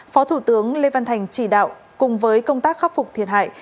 phó thủ tướng lê văn thành chỉ đạo cùng với công tác khắc phục thiệt hại